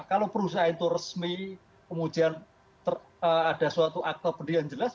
kalau perusahaan itu resmi kemudian ada suatu akte pendidikan jelas